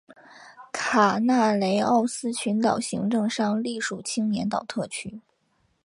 卡纳雷奥斯群岛行政上隶属青年岛特区。